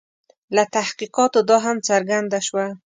له تحقیقاتو دا هم څرګنده شوه.